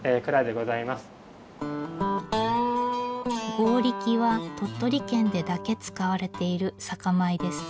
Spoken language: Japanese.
強力は鳥取県でだけ使われている酒米です。